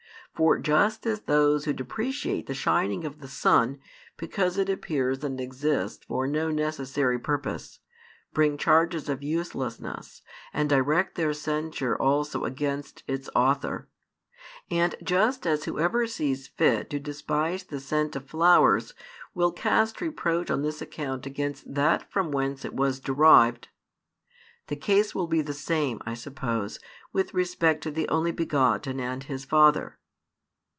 For just as those who depreciate the shining of the sun, because it appears and exists for no necessary purpose, bring charges of uselessness, and direct their censure also against its Author; and just as whoever sees fit to despise the scent of flowers will cast reproach on this account against that from whence it was derived the case will be the same, I suppose, with respect to the Only begotten and |426 His Father.